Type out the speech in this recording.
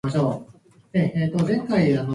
おならがとても臭い。